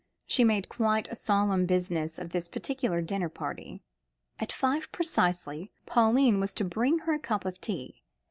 She made quite a solemn business of this particular dinner party. At five precisely, Pauline was to bring her a cup of tea.